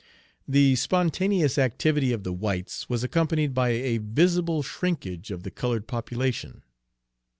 The spontaneous activity of the whites was accompanied by a visible shrinkage of the colored population.